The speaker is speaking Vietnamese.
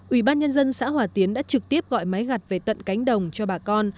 ủy ban nhân dân xã hòa tiến đã trực tiếp gọi máy gặt về tận cánh đồng cho bà con